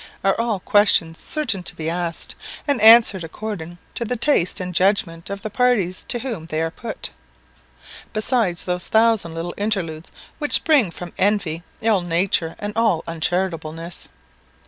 are all questions certain to be asked, and answered according to the taste and judgment of the parties to whom they are put; besides those thousand little interludes which spring from envy, ill nature, and all uncharitableness.